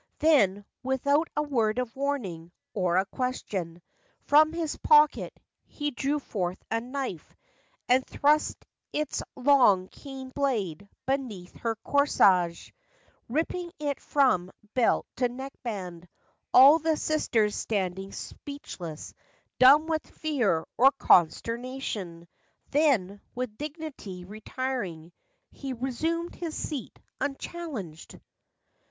Then, without a word of warning, Or a question, from his pocket . He drew forth a knife, and thrust its FACTS AND FANCIES. 71 Long keen blade beneath her corsage, Ripping it from belt to neck band; All the sisters standing speechless, Dumb with fear or consternation. Then, with dignity retiring, He resumed his seat unchallenged.